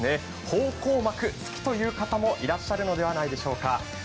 方向幕というのがお好きな方もいらっしゃるのではないでしょうか。